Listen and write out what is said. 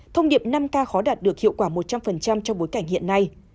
thông điệp năm k khó đạt được hiệu quả một trăm linh trong bối cảnh hiện nay